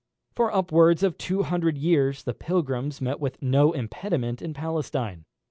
For upwards of two hundred years the pilgrims met with no impediment in Palestine.